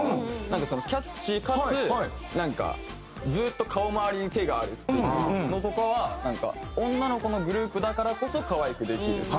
なんかキャッチーかつなんかずっと顔回りに手があるっていうのとかは女の子のグループだからこそ可愛くできる。